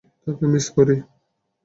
তাকে মিস করি।